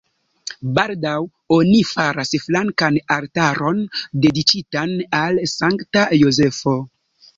Baldaŭ oni faras flankan altaron dediĉitan al Sankta Jozefo.